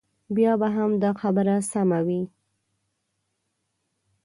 بیا به هم دا خبره سمه وي.